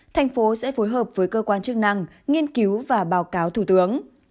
thành phố sẽ phối hợp với cơ quan chức năng nghiên cứu và báo cáo thủ tướng